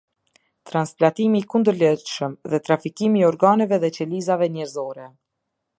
Transplantimi i kundërligjshëm dhe trafikimi i organeve dhe qelizave njerëzore.